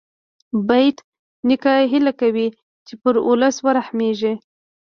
بېټ نیکه هیله کوي چې پر ولس ورحمېږې.